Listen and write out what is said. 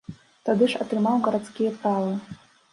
Тады ж атрымаў гарадскія правы.